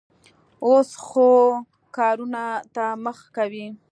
اوس ښو کارونو ته مخه کوي.